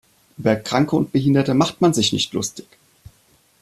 Über Kranke und Behinderte macht man sich nicht lustig.